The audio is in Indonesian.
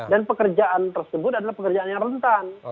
dan pekerjaan tersebut adalah pekerjaan yang rentan